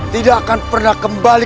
tidak akan pernah kembali